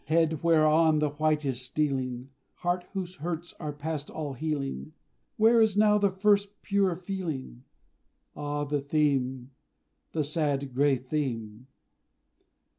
Head whereon the white is stealing, Heart whose hurts are past all healing, Where is now the first pure feeling? Ah, the theme the sad, grey theme!